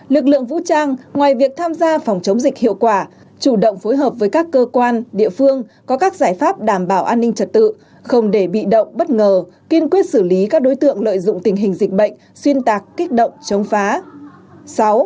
lực lượng vũ trang ngoài việc tham gia phòng chống dịch hiệu quả chủ động phối hợp với các cơ quan địa phương có các giải pháp đảm bảo an ninh trật tự không để bị động bất ngờ kiên quyết xử lý các đối tượng lợi dụng tình hình dịch bệnh xuyên tạc kích động chống phá